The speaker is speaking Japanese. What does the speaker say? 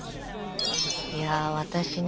いや私ね